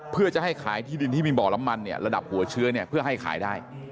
เพื่อจะให้ขายที่ดินที่มีบ่อน้ำมันเนี่ยระดับหัวเชื้อเนี่ยเพื่อให้ขายได้